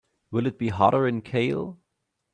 Will it be hotter in Cale?